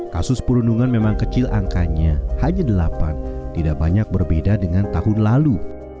kasus perundungan memang kecil angkanya hanya delapan tidak banyak berbeda dengan tahun lalu